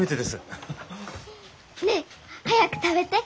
ねえ早く食べて。